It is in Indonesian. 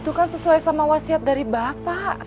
itu kan sesuai sama wasiat dari bapak